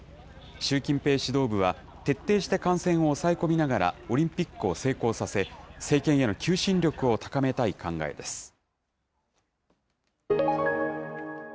習近平指導部は、徹底して感染を抑え込みながらオリンピックを成功させ、政権への求心力を高めたい考えです。